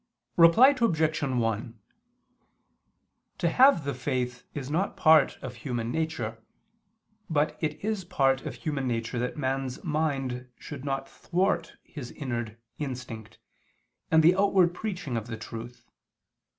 Reply Obj. 1: To have the faith is not part of human nature, but it is part of human nature that man's mind should not thwart his inner instinct, and the outward preaching of the truth.